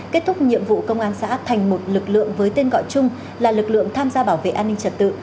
kết thúc nhiệm vụ công an xã thành một lực lượng với tên gọi chung là lực lượng tham gia bảo vệ an ninh trật tự